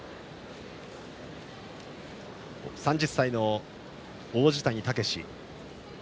３０歳の王子谷剛志。